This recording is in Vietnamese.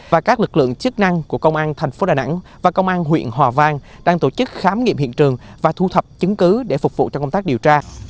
và các lực lượng chức năng của công an thành phố đà nẵng và công an huyện hòa vang đang tổ chức khám nghiệm hiện trường và thu thập chứng cứ để phục vụ cho công tác điều tra